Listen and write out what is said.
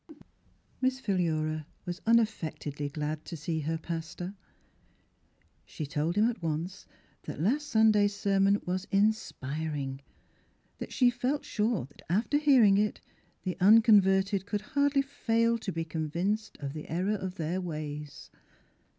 Miss Philura was unaffectedly glad to see her pastor. She told him at once that last Sunday's sermon was inspiring; that she felt sure that after hearing it the unconverted could hardly fail to be convinced of the error of their ways.